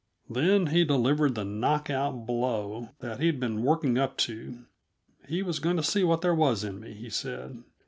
Then he delivered the knockout blow that he'd been working up to. He was going to see what there was in me, he said.